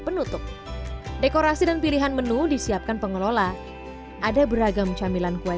penutup dekorasi dan pilihan menu disiapkan pengelola dan pilihan menu disiapkan pengelola dan pilihan menu disiapkan pengelola dan